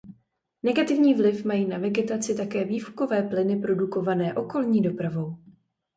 Negativní vliv mají na vegetaci také výfukové plyny produkované okolní dopravou.